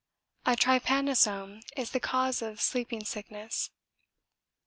A trypanosome is the cause of 'sleeping sickness.'